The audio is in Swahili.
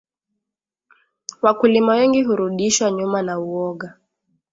wakulima wengi hurudishwa nyuma na uoga